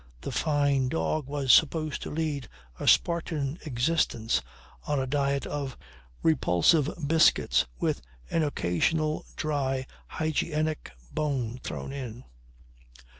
The Fyne dog was supposed to lead a Spartan existence on a diet of repulsive biscuits with an occasional dry, hygienic, bone thrown in.